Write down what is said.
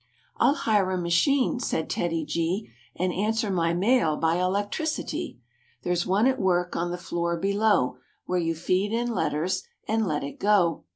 " I'll hire a machine," said TEDDY G, "And answer my mail by electricity. There's one at work on the floor below, Where you feed in letters and let it go.